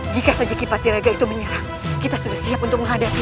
jika sajiki patiraga itu menyerang kita sudah siap untuk menghadapinya